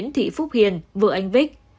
thị phúc hiền vợ anh vích